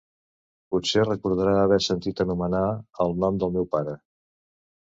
Potser recordarà haver sentit anomenar el nom del meu pare.